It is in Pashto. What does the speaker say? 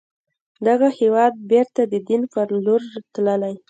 دغه هېواد بیرته د دين پر لور تللی